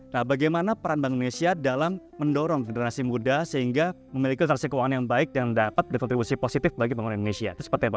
nah bagaimana peran bank indonesia dalam mendorong generasi muda sehingga memiliki transaksi keuangan yang baik dan dapat berkontribusi positif bagi pembangunan indonesia itu seperti apa